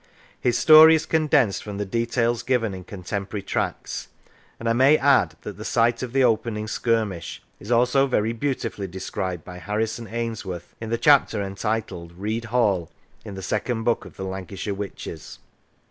His story is condensed from the details given in contemporary tracts, and I may add that the site of the opening skirmish is also very beautifully described by Harrison Ainsworth in the chapter entitled " Read Hall " in the second book of the " Lancashire Witches."